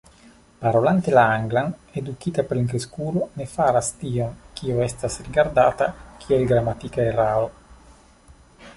Parolante la anglan, edukita plenkreskulo ne faras tion, kio estas rigardata kiel gramatika eraro.